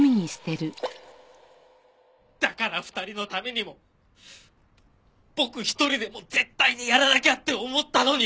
だから２人のためにも僕一人でも絶対にやらなきゃって思ったのに！